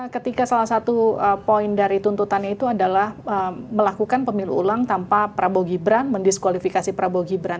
ketika salah satu poin dari tuntutannya itu adalah melakukan pemilu ulang tanpa prabowo gibran mendiskualifikasi prabowo gibran